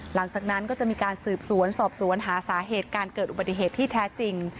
หลังจากนั้นก็จะมีการสืบสวนสอบสวนหาสาเหตุการเกิดอุบัติเหตุที่แท้จริง